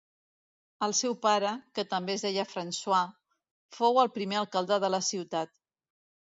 El seu pare, que també es deia François, fou el primer alcalde de la ciutat.